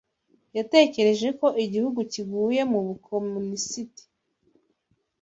yatekereje ko igihugu kiguye mu bukomunisiti